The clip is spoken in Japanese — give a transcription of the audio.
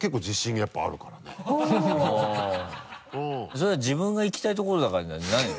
それは自分が行きたい所だからじゃないの？